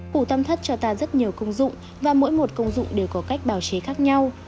bù tam thất cho ta rất nhiều công dụng và mỗi một công dụng đều có cách bào chế khác nhau